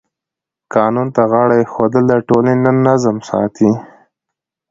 قانون ته غاړه ایښودل د ټولنې نظم ساتي.